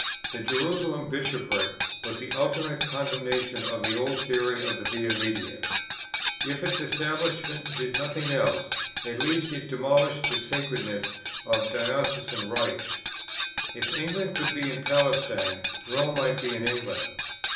The Jerusalem Bishopric was the ultimate condemnation of the old theory of the Via Media: if its establishment did nothing else, at least it demolished the sacredness of diocesan rights. If England could be in Palestine, Rome might be in England.